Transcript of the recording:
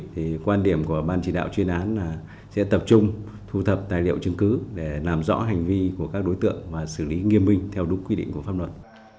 thì quan điểm của ban chỉ đạo chuyên án là sẽ tập trung thu thập tài liệu chứng cứ để làm rõ hành vi của các đối tượng và xử lý nghiêm minh theo đúng quy định của pháp luật